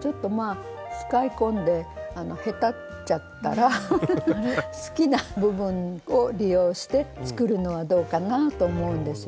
ちょっとまあ使い込んでへたっちゃったらフフフ好きな部分を利用して作るのはどうかなと思うんですよね。